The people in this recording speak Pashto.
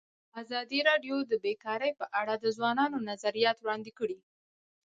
ازادي راډیو د بیکاري په اړه د ځوانانو نظریات وړاندې کړي.